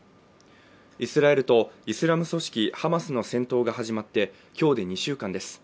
イスラエルとイスラム組織ハマスの戦闘が始まって今日で２週間です